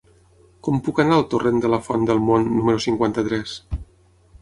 Com puc anar al torrent de la Font del Mont número cinquanta-tres?